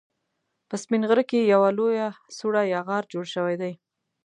په سپين غره کې يوه لويه سوړه يا غار جوړ شوی دی